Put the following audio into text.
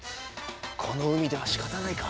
この海ではしかたないか。